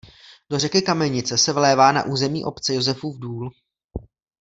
Do řeky Kamenice se vlévá na území obce Josefův důl.